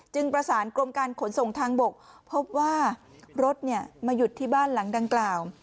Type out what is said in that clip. ประสานกรมการขนส่งทางบกพบว่ารถมาหยุดที่บ้านหลังดังกล่าว